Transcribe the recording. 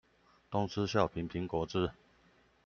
東施效顰蘋果汁